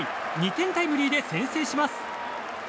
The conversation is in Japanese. ２点タイムリーで先制します。